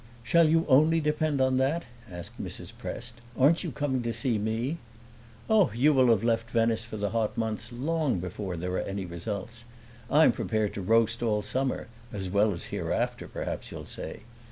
"Shall you only depend upon that?" asked Mrs. Prest. "Aren't you coming to see me?" "Oh, you will have left Venice, for the hot months, long before there are any results. I am prepared to roast all summer as well as hereafter, perhaps you'll say!